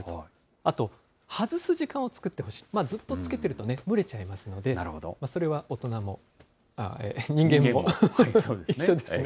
あと外す時間を作ってほしい、ずっとつけてると蒸れちゃいますので、それは大人も、人間も一緒ですね。